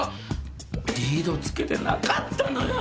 リードつけてなかったのよ